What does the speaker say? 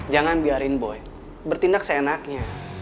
jangan biarin boy bertindak seenaknya